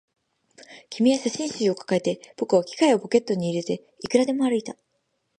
君は写真集を抱えて、僕は機械をポケットに入れて、いくらでも歩いた